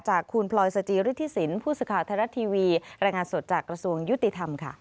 จากคุณพลอยสจิฤทธิสินผู้สื่อข่าวไทยรัฐทีวีรายงานสดจากกระทรวงยุติธรรมค่ะ